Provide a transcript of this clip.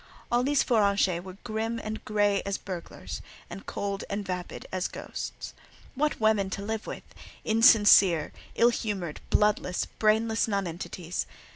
All these four "Anges" were grim and grey as burglars, and cold and vapid as ghosts. What women to live with! insincere, ill humoured, bloodless, brainless nonentities!